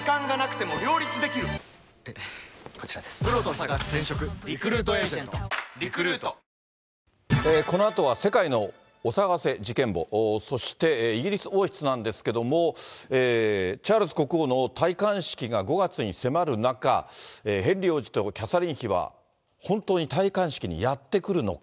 さらに、このあとは世界のお騒がせ事件簿、そしてイギリス王室なんですけども、チャールズ国王の戴冠式が５月に迫る中、ヘンリー王子とキャサリン妃は本当に戴冠式にやって来るのか。